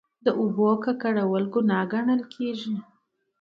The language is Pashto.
د اوبو ککړول ګناه ګڼل کیږي.